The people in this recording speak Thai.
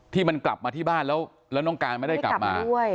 ที่มันกลับมาที่บ้านแล้วน้องการไม่ได้กลับมา